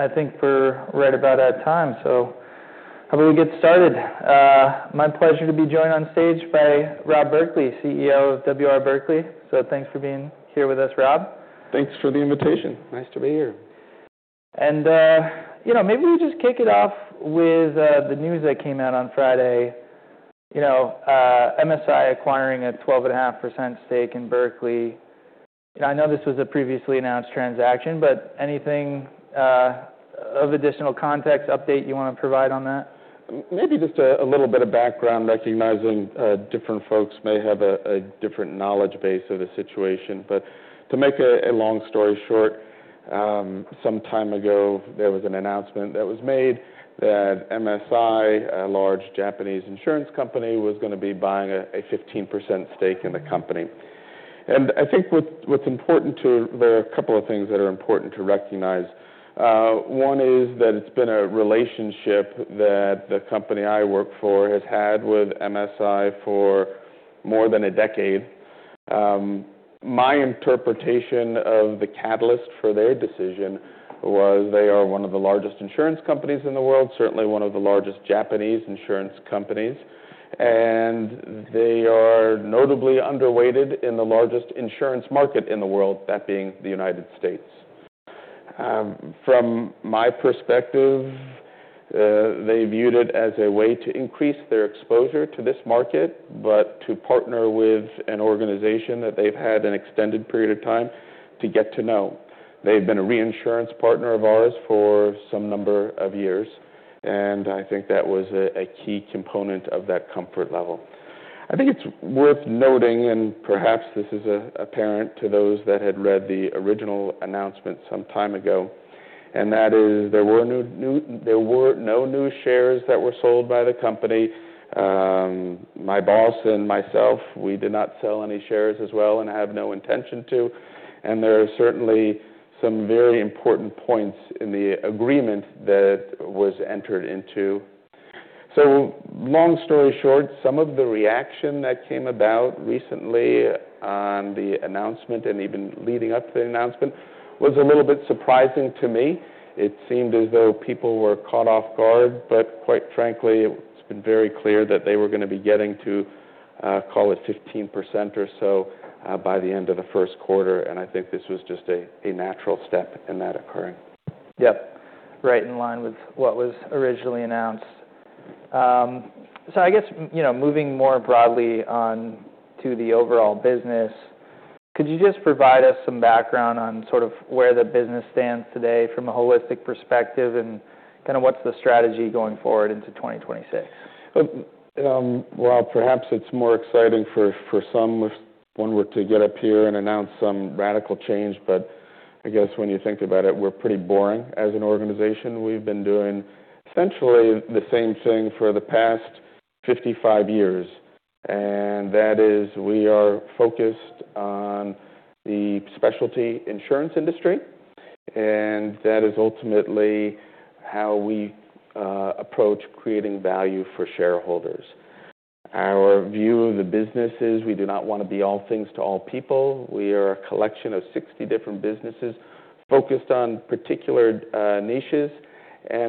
All right. I think we're right about at time, so how about we get started? My pleasure to be joined on stage by Rob Berkley, CEO of W.R. Berkley. So thanks for being here with us, Rob. Thanks for the invitation. Nice to be here. Maybe we just kick it off with the news that came out on Friday. MSI acquiring a 12.5% stake in Berkley. I know this was a previously announced transaction, but anything of additional context, update you want to provide on that? Maybe just a little bit of background, recognizing different folks may have a different knowledge base of the situation. But to make a long story short, some time ago there was an announcement that was made that MSI, a large Japanese insurance company, was going to be buying a 15% stake in the company. And I think what's important to, there are a couple of things that are important to recognize. One is that it's been a relationship that the company I work for has had with MSI for more than a decade. My interpretation of the catalyst for their decision was they are one of the largest insurance companies in the world, certainly one of the largest Japanese insurance companies, and they are notably underweighted in the largest insurance market in the world, that being the United States. From my perspective, they viewed it as a way to increase their exposure to this market, but to partner with an organization that they've had an extended period of time to get to know. They've been a reinsurance partner of ours for some number of years, and I think that was a key component of that comfort level. I think it's worth noting, and perhaps this is apparent to those that had read the original announcement some time ago, and that is there were no new shares that were sold by the company. My boss and myself, we did not sell any shares as well and have no intention to. And there are certainly some very important points in the agreement that was entered into. So long story short, some of the reaction that came about recently on the announcement and even leading up to the announcement was a little bit surprising to me. It seemed as though people were caught off guard, but quite frankly, it's been very clear that they were going to be getting to, call it, 15% or so by the end of the first quarter, and I think this was just a natural step in that occurring. Yeah, right in line with what was originally announced. So I guess moving more broadly on to the overall business, could you just provide us some background on sort of where the business stands today from a holistic perspective and kind of what's the strategy going forward into 2026? Perhaps it's more exciting for some if one were to get up here and announce some radical change, but I guess when you think about it, we're pretty boring as an organization. We've been doing essentially the same thing for the past 55 years, and that is we are focused on the specialty insurance industry, and that is ultimately how we approach creating value for shareholders. Our view of the business is we do not want to be all things to all people. We are a collection of 60 different businesses focused on particular niches, and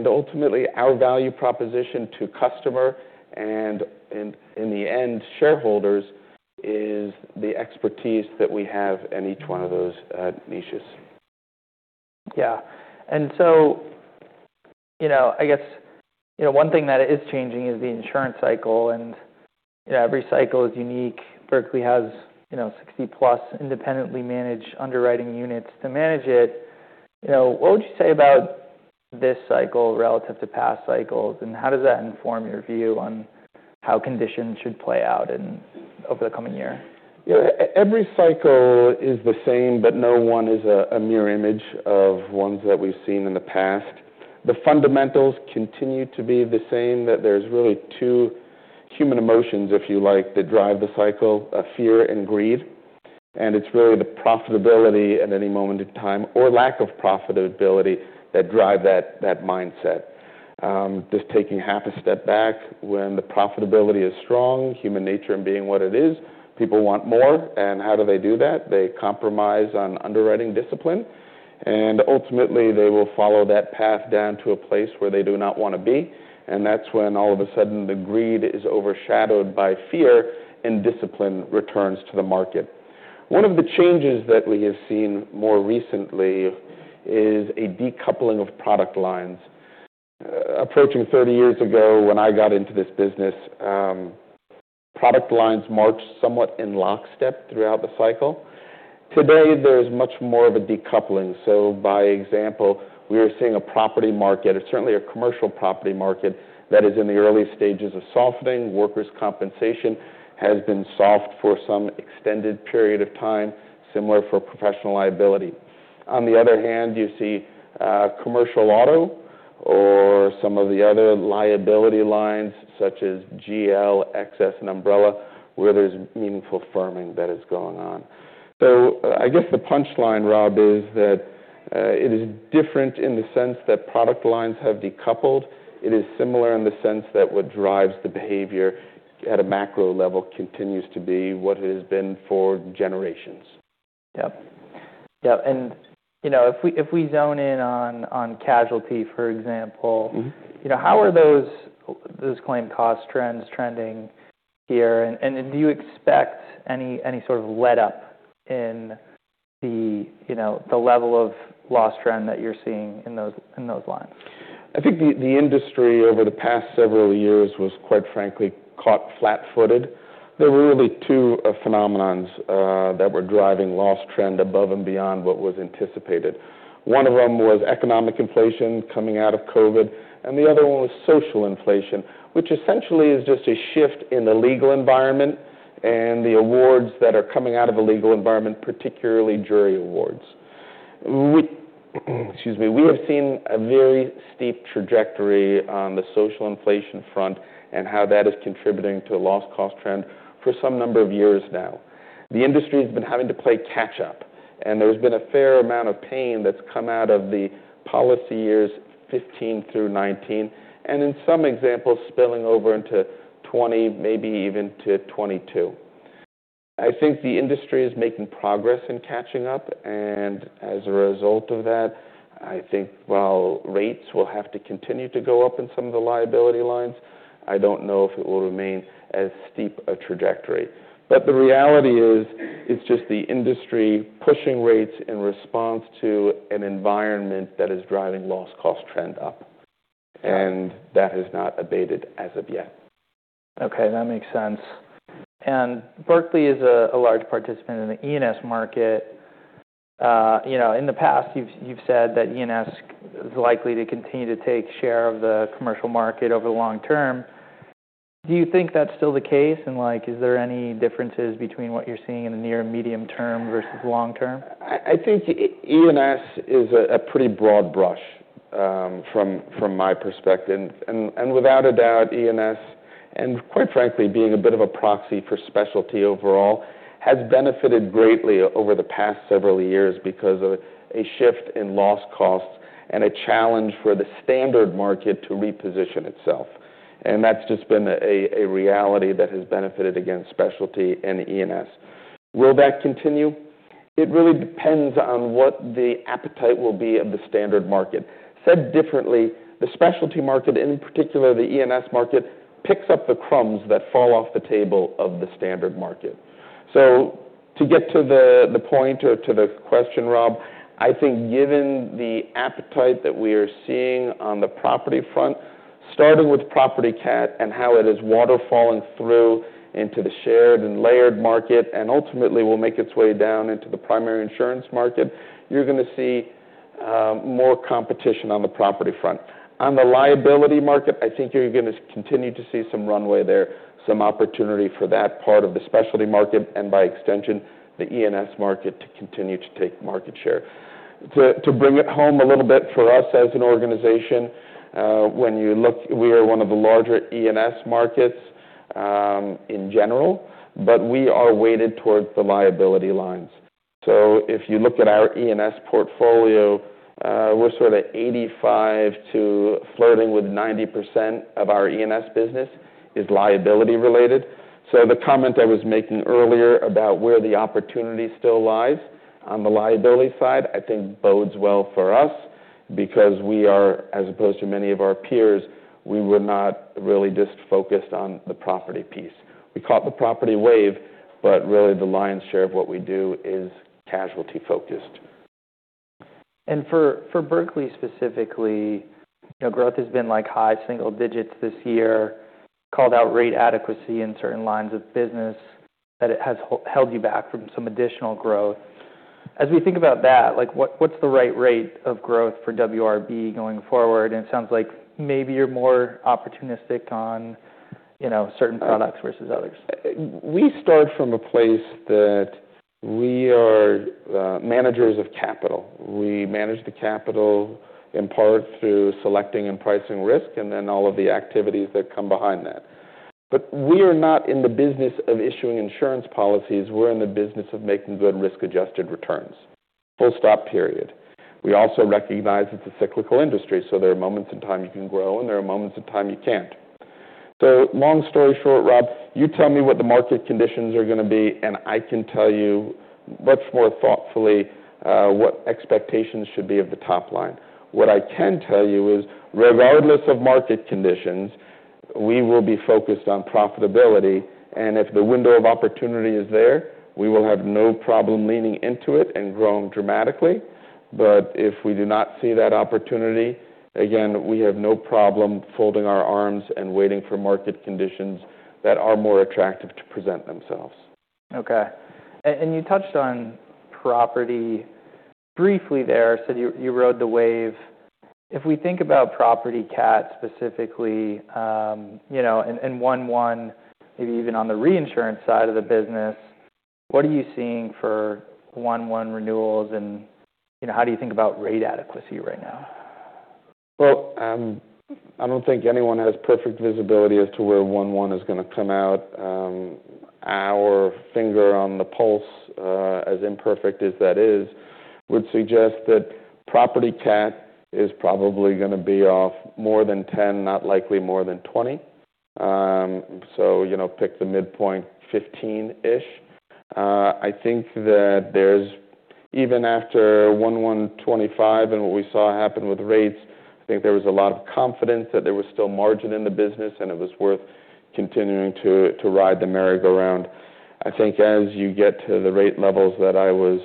ultimately our value proposition to customer and in the end shareholders is the expertise that we have in each one of those niches. Yeah. And so I guess one thing that is changing is the insurance cycle, and every cycle is unique. Berkley has 60+ independently managed underwriting units to manage it. What would you say about this cycle relative to past cycles, and how does that inform your view on how conditions should play out over the coming year? Every cycle is the same, but no one is a mirror image of ones that we've seen in the past. The fundamentals continue to be the same, that there's really two human emotions, if you like, that drive the cycle: fear and greed. And it's really the profitability at any moment in time or lack of profitability that drive that mindset. Just taking half a step back, when the profitability is strong, human nature being what it is, people want more. And how do they do that? They compromise on underwriting discipline, and ultimately they will follow that path down to a place where they do not want to be. And that's when all of a sudden the greed is overshadowed by fear, and discipline returns to the market. One of the changes that we have seen more recently is a decoupling of product lines. Approaching 30 years ago when I got into this business, product lines marched somewhat in lockstep throughout the cycle. Today, there is much more of a decoupling. So by example, we are seeing a property market, certainly a commercial property market, that is in the early stages of softening. Workers' compensation has been soft for some extended period of time, similar for Professional Liability. On the other hand, you see Commercial Auto or some of the other liability lines such as GL, Excess, and Umbrella, where there's meaningful firming that is going on. So I guess the punchline, Rob, is that it is different in the sense that product lines have decoupled. It is similar in the sense that what drives the behavior at a macro level continues to be what it has been for generations. Yep. Yep. And if we zero in on casualty, for example, how are those claim cost trends trending here? And do you expect any sort of let-up in the level of loss trend that you're seeing in those lines? I think the industry over the past several years was, quite frankly, caught flat-footed. There were really two phenomena that were driving loss trend above and beyond what was anticipated. One of them was economic inflation coming out of COVID, and the other one was social inflation, which essentially is just a shift in the legal environment and the awards that are coming out of the legal environment, particularly jury awards. Excuse me. We have seen a very steep trajectory on the social inflation front and how that is contributing to the loss cost trend for some number of years now. The industry has been having to play catch-up, and there's been a fair amount of pain that's come out of the policy years 2015 through 2019, and in some examples, spilling over into 2020, maybe even to 2022. I think the industry is making progress in catching up, and as a result of that, I think while rates will have to continue to go up in some of the liability lines, I don't know if it will remain as steep a trajectory. But the reality is it's just the industry pushing rates in response to an environment that is driving loss cost trend up, and that has not abated as of yet. Okay. That makes sense. And Berkley is a large participant in the E&S market. In the past, you've said that E&S is likely to continue to take share of the commercial market over the long term. Do you think that's still the case, and is there any differences between what you're seeing in the near medium-term versus long-term? I think E&S is a pretty broad brush from my perspective. And without a doubt, E&S, and quite frankly, being a bit of a proxy for specialty overall, has benefited greatly over the past several years because of a shift in loss costs and a challenge for the standard market to reposition itself. And that's just been a reality that has benefited against specialty and E&S. Will that continue? It really depends on what the appetite will be of the standard market. Said differently, the specialty market, in particular the E&S market, picks up the crumbs that fall off the table of the standard market. To get to the point or to the question, Rob, I think given the appetite that we are seeing on the property front, starting with Property Cat and how it is waterfalling through into the shared and layered market, and ultimately will make its way down into the primary insurance market, you're going to see more competition on the property front. On the liability market, I think you're going to continue to see some runway there, some opportunity for that part of the specialty market, and by extension, the E&S market to continue to take market share. To bring it home a little bit for us as an organization, when you look, we are one of the larger E&S markets in general, but we are weighted towards the liability lines. So if you look at our E&S portfolio, we're sort of 85% to flirting with 90% of our E&S business is liability-related. So the comment I was making earlier about where the opportunity still lies on the liability side, I think bodes well for us because we are, as opposed to many of our peers, we were not really just focused on the property piece. We caught the property wave, but really the lion's share of what we do is casualty-focused. For Berkley specifically, growth has been like high single digits this year, called out rate adequacy in certain lines of business that has held you back from some additional growth. As we think about that, what's the right rate of growth for W.R.B. going forward? It sounds like maybe you're more opportunistic on certain products versus others. We start from a place that we are managers of capital. We manage the capital in part through selecting and pricing risk and then all of the activities that come behind that. But we are not in the business of issuing insurance policies. We're in the business of making good risk-adjusted returns. Full stop, period. We also recognize it's a cyclical industry, so there are moments in time you can grow and there are moments in time you can't. So long story short, Rob, you tell me what the market conditions are going to be, and I can tell you much more thoughtfully what expectations should be of the top-line. What I can tell you is regardless of market conditions, we will be focused on profitability, and if the window of opportunity is there, we will have no problem leaning into it and growing dramatically. But if we do not see that opportunity, again, we have no problem folding our arms and waiting for market conditions that are more attractive to present themselves. Okay, and you touched on property briefly there. You said you rode the wave. If we think about Property Cat specifically and 1/1, maybe even on the reinsurance side of the business, what are you seeing for 1/1 renewals and how do you think about rate adequacy right now? I don't think anyone has perfect visibility as to where 1/1 is going to come out. Our finger on the pulse, as imperfect as that is, would suggest that Property Cat is probably going to be off more than 10, not likely more than 20. So pick the midpoint, 15-ish. I think that there's even after 01/01/25 and what we saw happen with rates. I think there was a lot of confidence that there was still margin in the business and it was worth continuing to ride the merry-go-round. I think as you get to the rate levels that I was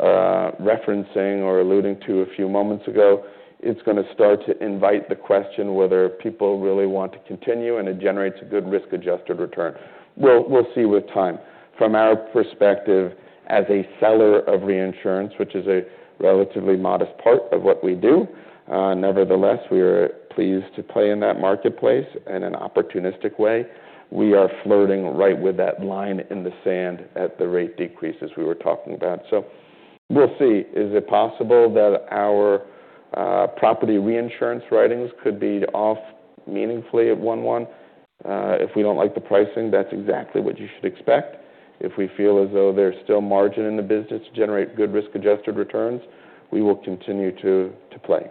referencing or alluding to a few moments ago, it's going to start to invite the question whether people really want to continue and it generates a good risk-adjusted return. We'll see with time. From our perspective as a seller of reinsurance, which is a relatively modest part of what we do, nevertheless, we are pleased to play in that marketplace in an opportunistic way. We are flirting right with that line in the sand at the rate decreases we were talking about. So we'll see. Is it possible that our property reinsurance writings could be off meaningfully at 1/1? If we don't like the pricing, that's exactly what you should expect. If we feel as though there's still margin in the business to generate good risk-adjusted returns, we will continue to play.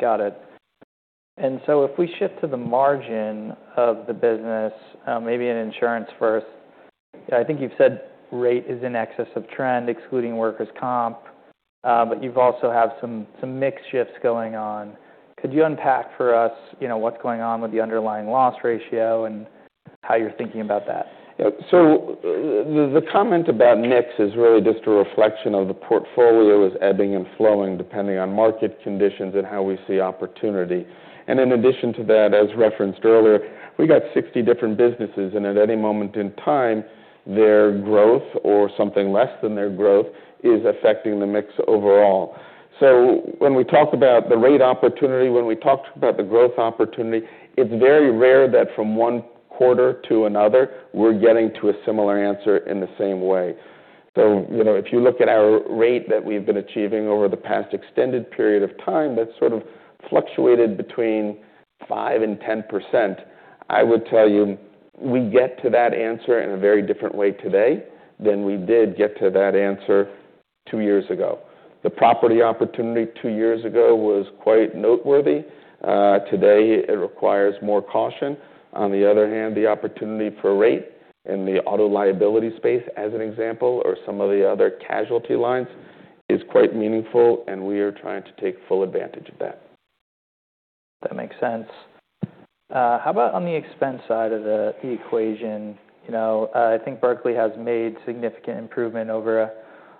Got it. And so if we shift to the margin of the business, maybe an insurance first, I think you've said rate is in excess of trend, excluding workers' comp, but you've also had some mixed shifts going on. Could you unpack for us what's going on with the underlying loss ratio and how you're thinking about that? So the comment about mix is really just a reflection of the portfolio, is ebbing and flowing depending on market conditions and how we see opportunity. And in addition to that, as referenced earlier, we got 60 different businesses, and at any moment in time, their growth or something less than their growth is affecting the mix overall. So when we talk about the rate opportunity, when we talk about the growth opportunity, it's very rare that from one quarter to another, we're getting to a similar answer in the same way. So if you look at our rate that we've been achieving over the past extended period of time, that's sort of fluctuated between 5% and 10%. I would tell you we get to that answer in a very different way today than we did get to that answer two years ago. The property opportunity two years ago was quite noteworthy. Today, it requires more caution. On the other hand, the opportunity for rate in the auto liability space, as an example, or some of the other casualty lines is quite meaningful, and we are trying to take full advantage of that. That makes sense. How about on the expense side of the equation? I think Berkley has made significant improvement over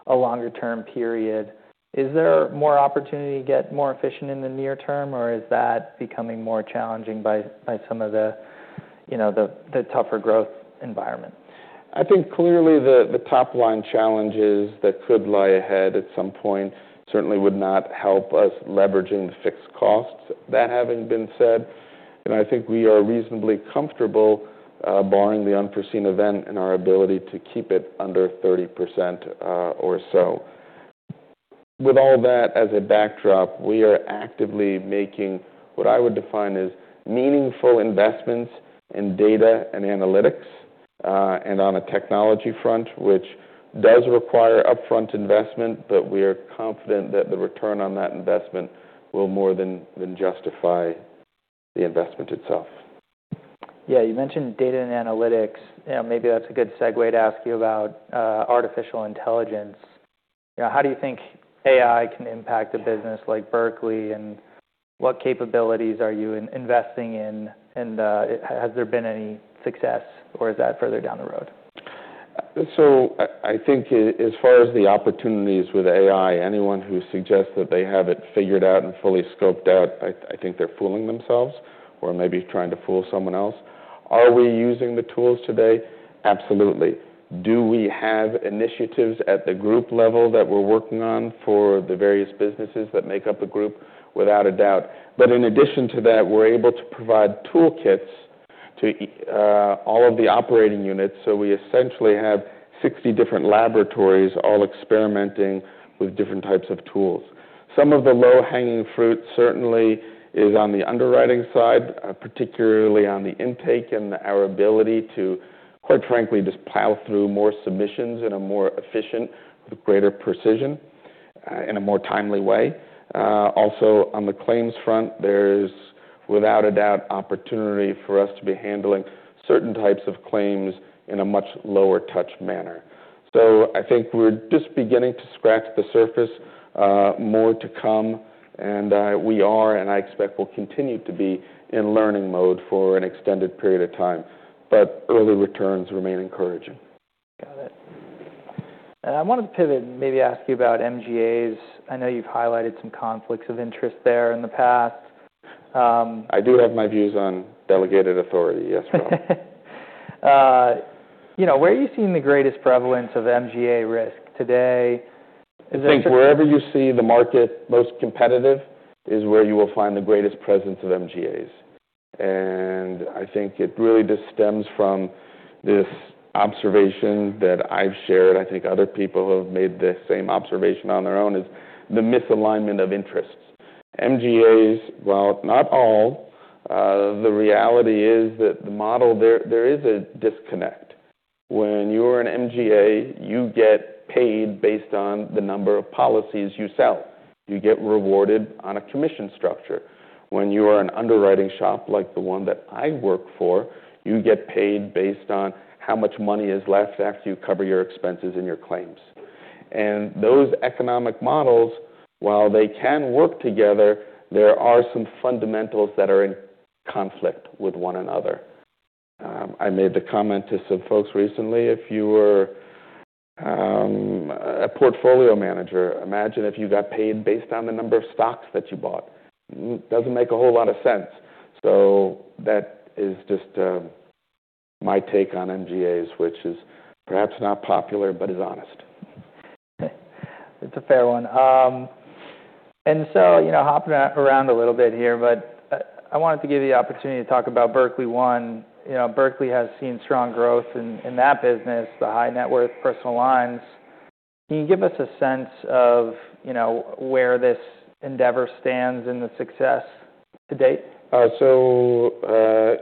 a longer-term period. Is there more opportunity to get more efficient in the near term, or is that becoming more challenging by some of the tougher growth environment? I think clearly the top-line challenges that could lie ahead at some point certainly would not help us leveraging the fixed costs. That having been said, I think we are reasonably comfortable barring the unforeseen event in our ability to keep it under 30% or so. With all that as a backdrop, we are actively making what I would define as meaningful investments in data and analytics and on a technology front, which does require upfront investment, but we are confident that the return on that investment will more than justify the investment itself. Yeah. You mentioned data and analytics. Maybe that's a good segue to ask you about artificial intelligence. How do you think AI can impact a business like Berkley and what capabilities are you investing in, and has there been any success, or is that further down the road? So I think as far as the opportunities with AI, anyone who suggests that they have it figured out and fully scoped out, I think they're fooling themselves or maybe trying to fool someone else. Are we using the tools today? Absolutely. Do we have initiatives at the group level that we're working on for the various businesses that make up the group? Without a doubt. But in addition to that, we're able to provide toolkits to all of the operating units, so we essentially have 60 different laboratories all experimenting with different types of tools. Some of the low-hanging fruit certainly is on the underwriting side, particularly on the intake and our ability to, quite frankly, just plow through more submissions in a more efficient, greater precision, in a more timely way. Also, on the claims front, there is without a doubt opportunity for us to be handling certain types of claims in a much lower-touch manner, so I think we're just beginning to scratch the surface, more to come, and we are, and I expect we'll continue to be in learning mode for an extended period of time, but early returns remain encouraging. Got it. I wanted to pivot and maybe ask you about MGAs. I know you've highlighted some conflicts of interest there in the past. I do have my views on delegated authority. Yes. Where are you seeing the greatest prevalence of MGA risk today? I think wherever you see the market most competitive is where you will find the greatest presence of MGAs, and I think it really just stems from this observation that I've shared. I think other people have made the same observation on their own as the misalignment of interests. MGAs, while not all, the reality is that the model there is a disconnect. When you are an MGA, you get paid based on the number of policies you sell. You get rewarded on a commission structure. When you are an underwriting shop like the one that I work for, you get paid based on how much money is left after you cover your expenses and your claims, and those economic models, while they can work together, there are some fundamentals that are in conflict with one another. I made the comment to some folks recently, if you were a portfolio manager, imagine if you got paid based on the number of stocks that you bought. Doesn't make a whole lot of sense. So that is just my take on MGAs, which is perhaps not popular but is honest. It's a fair one. And so hopping around a little bit here, but I wanted to give you the opportunity to talk about Berkley One. Berkley has seen strong growth in that business, the high-net-worth personal lines. Can you give us a sense of where this endeavor stands in the success to date? So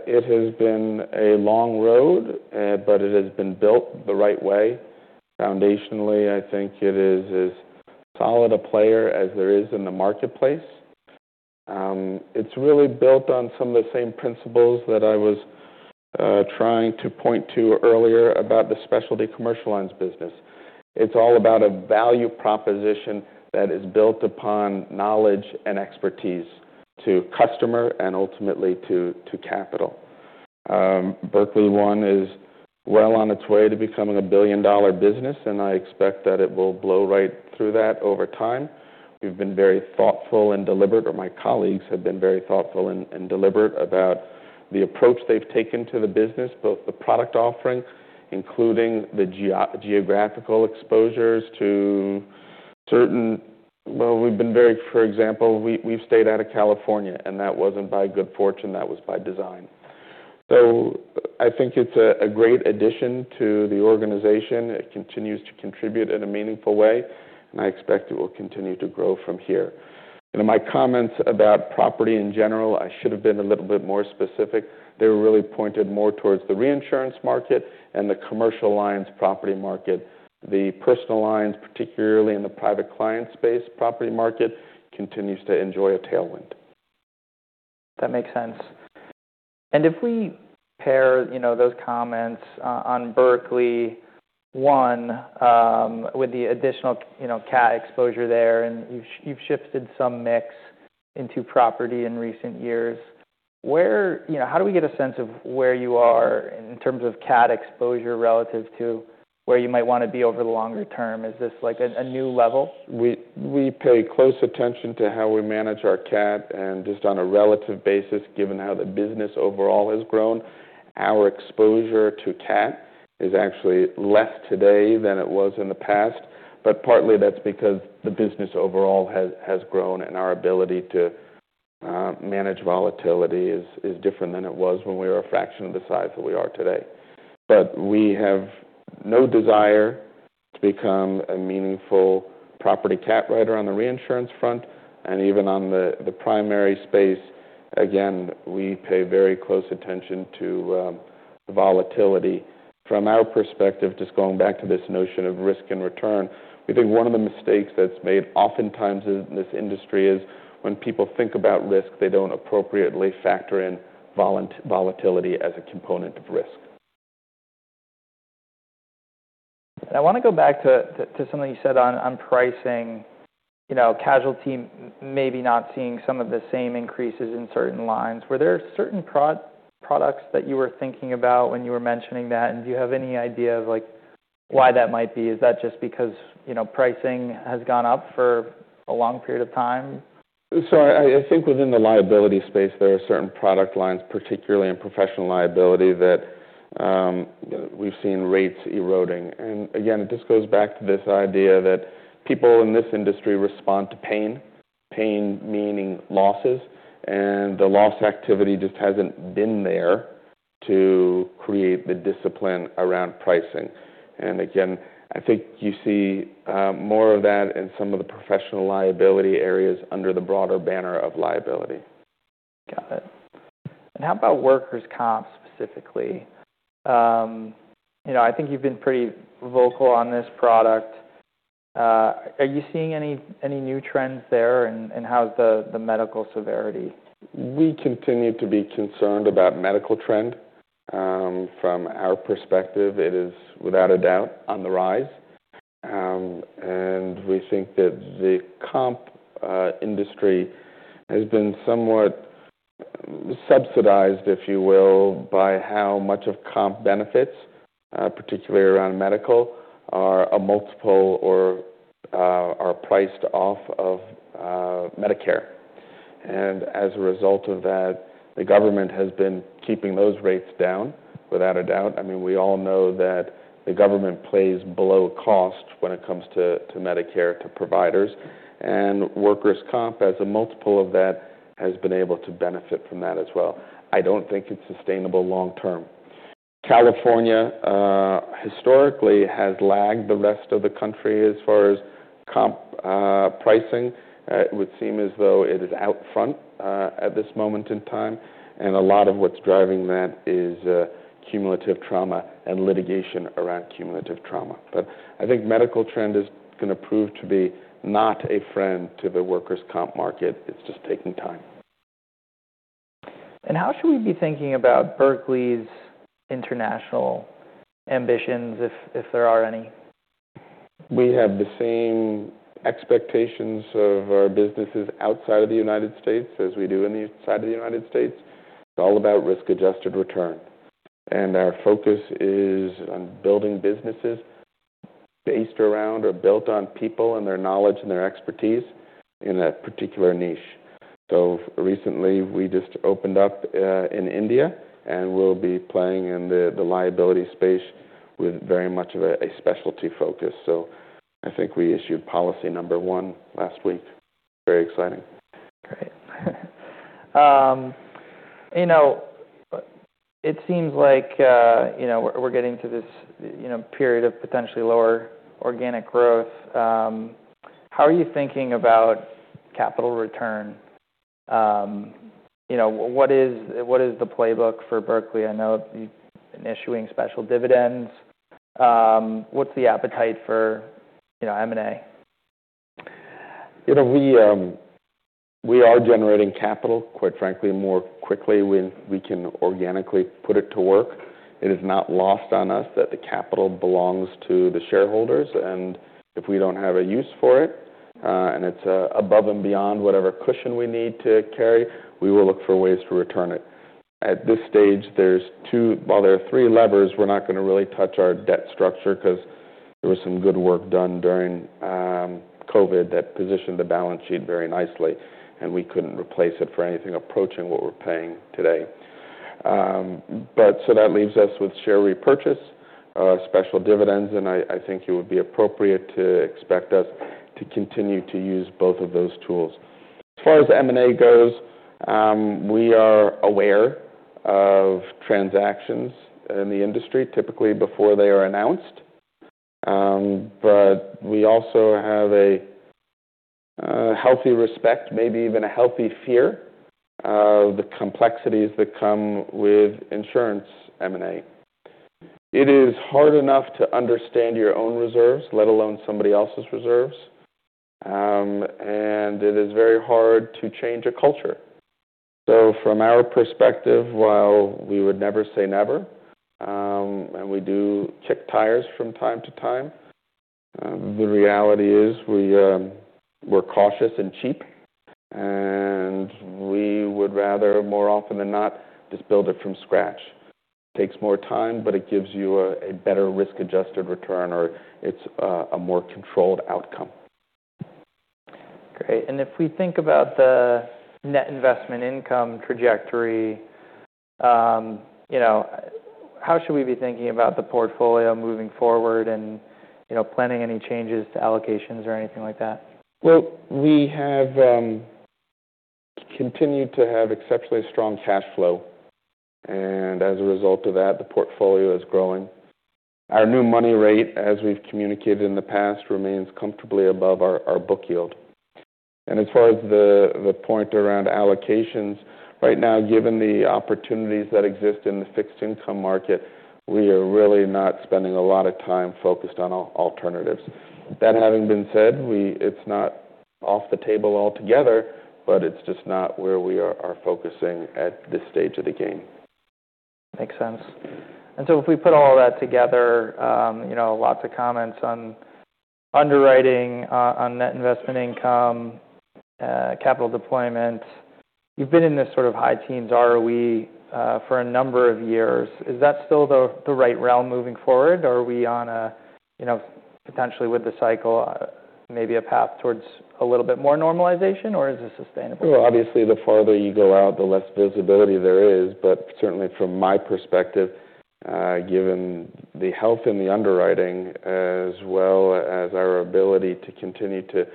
it has been a long road, but it has been built the right way. Foundationally, I think it is as solid a player as there is in the marketplace. It's really built on some of the same principles that I was trying to point to earlier about the specialty commercial lines business. It's all about a value proposition that is built upon knowledge and expertise to customer and ultimately to capital. Berkley One is well on its way to becoming a billion-dollar business, and I expect that it will blow right through that over time. We've been very thoughtful and deliberate, or my colleagues have been very thoughtful and deliberate about the approach they've taken to the business, both the product offering, including the geographical exposures to certain, well, we've been very, for example, we've stayed out of California, and that wasn't by good fortune. That was by design. So I think it's a great addition to the organization. It continues to contribute in a meaningful way, and I expect it will continue to grow from here. My comments about property in general, I should have been a little bit more specific. They were really pointed more towards the reinsurance market and the commercial lines property market. The personal lines, particularly in the private client space property market, continues to enjoy a tailwind. That makes sense. And if we pair those comments on Berkley One with the additional CAT exposure there, and you've shifted some mix into property in recent years, how do we get a sense of where you are in terms of CAT exposure relative to where you might want to be over the longer term? Is this a new level? We pay close attention to how we manage our CAT, and just on a relative basis, given how the business overall has grown, our exposure to CAT is actually less today than it was in the past, but partly that's because the business overall has grown and our ability to manage volatility is different than it was when we were a fraction of the size that we are today, but we have no desire to become a meaningful Property Cat writer on the reinsurance front, and even on the primary space, again, we pay very close attention to volatility. From our perspective, just going back to this notion of risk and return, we think one of the mistakes that's made oftentimes in this industry is when people think about risk, they don't appropriately factor in volatility as a component of risk. I want to go back to something you said on pricing. Casualty may not be seeing some of the same increases in certain lines. Were there certain products that you were thinking about when you were mentioning that, and do you have any idea of why that might be? Is that just because pricing has gone up for a long period of time? I think within the liability space, there are certain product lines, particularly in Professional Liability, that we've seen rates eroding. Again, it just goes back to this idea that people in this industry respond to pain, pain meaning losses, and the loss activity just hasn't been there to create the discipline around pricing. Again, I think you see more of that in some of the Professional Liability areas under the broader banner of liability. Got it. And how about workers' comp specifically? I think you've been pretty vocal on this product. Are you seeing any new trends there, and how's the medical severity? We continue to be concerned about medical trend. From our perspective, it is without a doubt on the rise. And we think that the comp industry has been somewhat subsidized, if you will, by how much of comp benefits, particularly around medical, are a multiple or are priced off of Medicare. And as a result of that, the government has been keeping those rates down without a doubt. I mean, we all know that the government plays below cost when it comes to Medicare to providers, and workers' comp as a multiple of that has been able to benefit from that as well. I don't think it's sustainable long term. California historically has lagged the rest of the country as far as comp pricing. It would seem as though it is out front at this moment in time, and a lot of what's driving that is cumulative trauma and litigation around cumulative trauma. But I think medical trend is going to prove to be not a friend to the workers' comp market. It's just taking time. How should we be thinking about Berkley's international ambitions, if there are any? We have the same expectations of our businesses outside of the United States as we do inside of the United States. It's all about risk-adjusted return. Our focus is on building businesses based around or built on people and their knowledge and their expertise in that particular niche. Recently, we just opened up in India, and we'll be playing in the liability space with very much of a specialty focus. I think we issued policy number one last week. Very exciting. Great. It seems like we're getting to this period of potentially lower organic growth. How are you thinking about capital return? What is the playbook for Berkley? I know you've been issuing special dividends. What's the appetite for M&A? We are generating capital, quite frankly, more quickly when we can organically put it to work. It is not lost on us that the capital belongs to the shareholders, and if we don't have a use for it, and it's above and beyond whatever cushion we need to carry, we will look for ways to return it. At this stage, there are three levers. We're not going to really touch our debt structure because there was some good work done during COVID that positioned the balance sheet very nicely, and we couldn't replace it for anything approaching what we're paying today. But so that leaves us with share repurchase, special dividends, and I think it would be appropriate to expect us to continue to use both of those tools. As far as M&A goes, we are aware of transactions in the industry, typically before they are announced. But we also have a healthy respect, maybe even a healthy fear, of the complexities that come with insurance M&A. It is hard enough to understand your own reserves, let alone somebody else's reserves, and it is very hard to change a culture. So from our perspective, while we would never say never, and we do check tires from time to time, the reality is we're cautious and cheap, and we would rather, more often than not, just build it from scratch. It takes more time, but it gives you a better risk-adjusted return, or it's a more controlled outcome. Great. And if we think about the net investment income trajectory, how should we be thinking about the portfolio moving forward and planning any changes to allocations or anything like that? Well, we have continued to have exceptionally strong cash flow, and as a result of that, the portfolio is growing. Our new money rate, as we've communicated in the past, remains comfortably above our book yield. And as far as the point around allocations, right now, given the opportunities that exist in the fixed income market, we are really not spending a lot of time focused on alternatives. That having been said, it's not off the table altogether, but it's just not where we are focusing at this stage of the game. Makes sense, and so if we put all that together, lots of comments on underwriting, on net investment income, capital deployment, you've been in this sort of high-teens ROE for a number of years. Is that still the right realm moving forward, or are we on a potentially, with the cycle, maybe a path towards a little bit more normalization, or is this sustainable? Obviously, the farther you go out, the less visibility there is. But certainly, from my perspective, given the health in the underwriting as well as our ability to continue to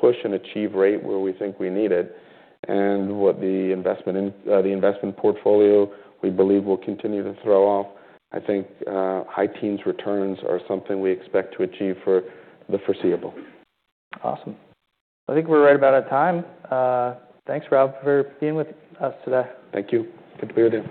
push and achieve rate where we think we need it, and what the investment portfolio we believe will continue to throw off, I think high-teens returns are something we expect to achieve for the foreseeable. Awesome. I think we're right about our time. Thanks, Rob, for being with us today. Thank you. Good to be with you.